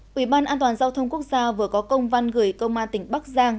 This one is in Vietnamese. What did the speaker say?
quỹ ban an toàn giao thông quốc gia vừa có công văn gửi công an tỉnh bắc giang